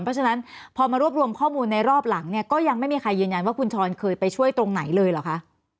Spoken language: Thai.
เพราะฉะนั้นพอมารวบรวมข้อมูลในรอบหลังเนี่ยก็ยังไม่มีใครยืนยันว่าคุณชรเคยไปช่วยตรงไหนเลยเหรอคะ